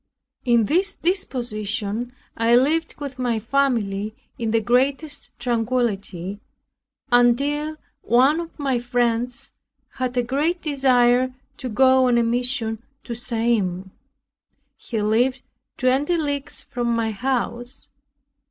In this disposition, I lived with my family in the greatest tranquility, until one of my friends had a great desire to go on a mission to Siam. He lived twenty leagues from my house.